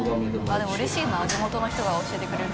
泙でもうれしいな地元の人が教えてくれる。